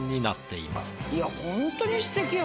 いやホントにすてきよ